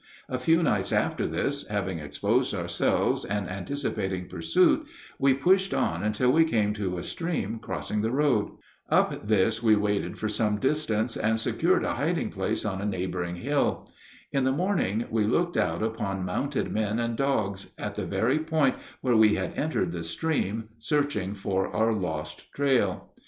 A few nights after this, having exposed ourselves and anticipating pursuit, we pushed on until we came to a stream crossing the road. Up this we waded for some distance, and secured a hiding place on a neighboring hill. In the morning we looked out upon mounted men and dogs, at the very point where we had entered the stream, searching for our lost trail.